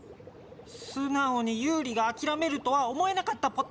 素直にユウリがあきらめるとは思えなかったポタ。